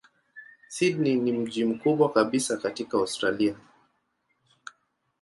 Sydney ni mji mkubwa kabisa katika Australia.